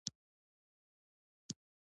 افغانان ولې میلمه ته درناوی کوي؟